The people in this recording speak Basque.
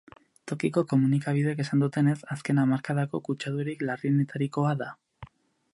Tokiko komunikabideek esan dutenez, azken hamarkadako kutsadurarik larrienetarikoa da.